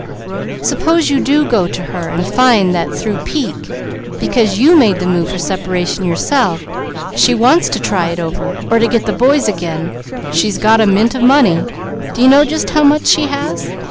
"Suppose you do go to her and find that through pique, because you made the move for separation yourself, she wants to try it over, or to get the boys again she's got a mint of money. Do you know just how much she has?"